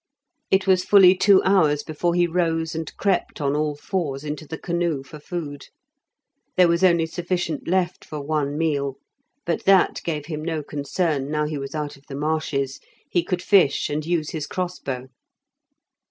It was fully two hours before he rose and crept on all fours into the canoe for food. There was only sufficient left for one meal, but that gave him no concern now he was out of the marshes; he could fish and use his crossbow.